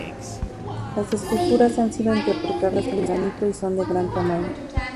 Las esculturas han sido interpretadas en granito y son de gran tamaño.